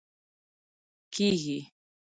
کیږي